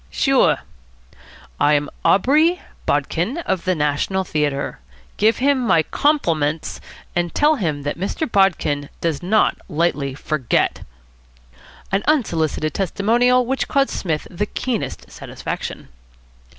"Sure." "I am Aubrey Bodkin, of the National Theatre. Give him my compliments, and tell him that Mr. Bodkin does not lightly forget." An unsolicited testimonial which caused Psmith the keenest satisfaction.